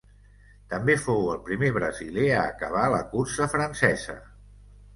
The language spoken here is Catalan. També fou el primer brasiler a acabar la cursa francesa.